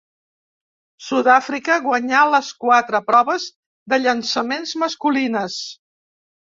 Sud-àfrica guanyà les quatre proves de llançaments masculines.